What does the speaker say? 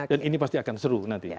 dan ini pasti akan seru nanti